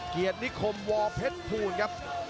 เกณฑิคมวอร์เพชรพูนครับ